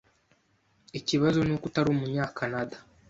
Ikibazo nuko utari umunyakanada.